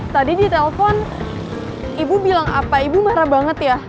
tadi di telepon ibu bilang apa ibu marah banget ya